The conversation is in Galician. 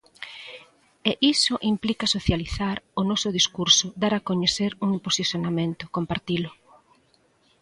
E iso implica socializar o noso discurso, dar a coñecer un posicionamento, compartilo.